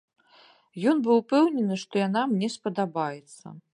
Ён быў упэўнены, што яна мне спадабаецца.